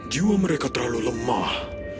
jiwa mereka terlalu lemah